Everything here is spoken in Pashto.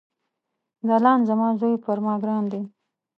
ځلاند زما ځوي پر ما ګران دی